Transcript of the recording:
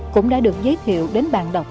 cũng đã được giới thiệu đến bạn đọc